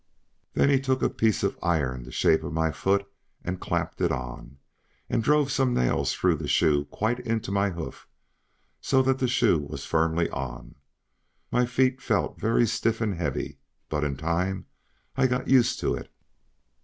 Then he took a piece of iron the shape of my foot, and clapped it on, and drove some nails through the shoe quite into my hoof, so that the shoe was firmly on. My feet felt very stiff and heavy, but in time I got used to it.